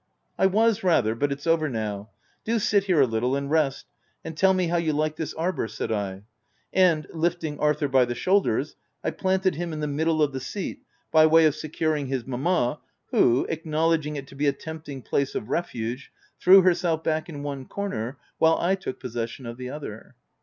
" I was rather, but it's over now. Do sit here a little, and rest, and tell me how you like this arbour," said I, and lifting Arthur by the shoulders, I planted him in the middle of the seat by w r ay of securing his mamma, who, ac knowledging it to be a tempting place of refuge, threw herself back in one corner, while I took possession of the other.